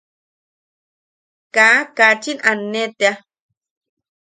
Kaa... kaachin aane tea.